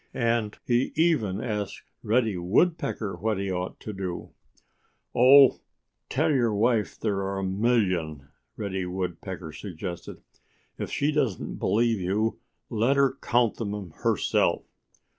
And he even asked Reddy Woodpecker what he ought to do. "Oh, tell your wife there are a million," Reddy Woodpecker suggested. "If she doesn't believe you, let her count them herself!"